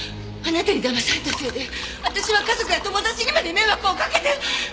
あなたにだまされたせいで私は家族や友達にまで迷惑をかけて！